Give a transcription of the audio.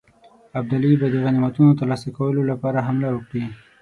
ابدالي به د غنیمتونو ترلاسه کولو لپاره حمله وکړي.